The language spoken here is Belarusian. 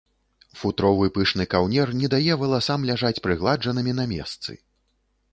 Футровы пышны каўнер не дае валасам ляжаць прыгладжанымі на месцы.